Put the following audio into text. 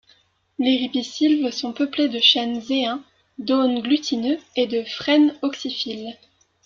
Les ripisylves sont peuplées de chêne zéen, d'aulne glutineux et de frêne oxyphylle.